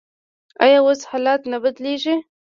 آیا اوس حالات نه بدلیږي؟